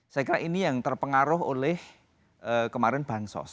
saya kira ini yang terpengaruh oleh kemarin bansos